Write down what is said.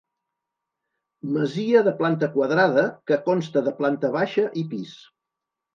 Masia de planta quadrada que consta de planta baixa i pis.